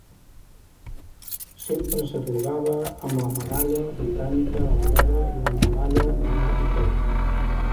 Sempre s'atorgava amb la Medalla Britànica de la Guerra i la Medalla de la Victòria.